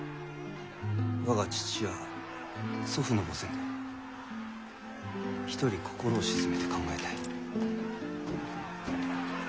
我が父や祖父の墓前で一人心を静めて考えたい。